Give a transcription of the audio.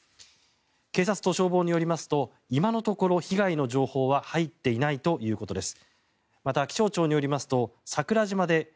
警察と消防によりますと今のところ被害の情報は入っていないということです。